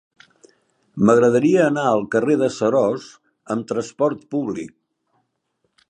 M'agradaria anar al carrer de Seròs amb trasport públic.